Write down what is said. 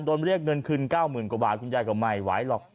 เรียกเงินคืน๙๐๐กว่าบาทคุณยายก็ไม่ไหวหรอก